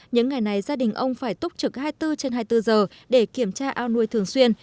những ngày này gia đình ông phải túc trực hai mươi bốn trên hai mươi bốn giờ để kiểm tra ao nuôi thường xuyên